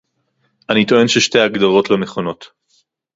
אני טוען ששתי ההגדרות לא נכונות